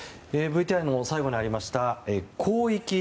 ＶＴＲの最後にありました。